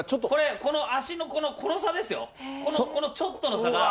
この足の、この差ですよ、このちょっとの差が。